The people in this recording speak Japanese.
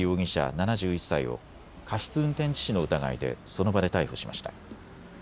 ７１歳を過失運転致死の疑いでその場で逮捕しました。